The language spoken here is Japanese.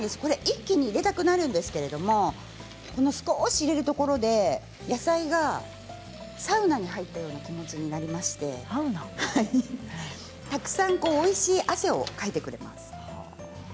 一気に入れたくなるんですけれど少し入れるところで野菜がサウナに入ったような気持ちになりましてたくさん、おいしい汗をかいてくれます。